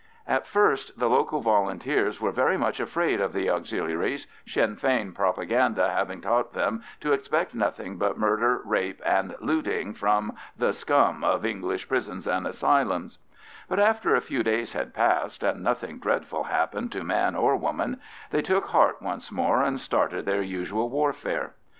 At first the local Volunteers were very much afraid of the Auxiliaries, Sinn Fein propaganda having taught them to expect nothing but murder, rape, and looting from the "scum of English prisons and asylums"; but after a few days had passed and nothing dreadful happened to man or woman, they took heart once more and started their usual warfare.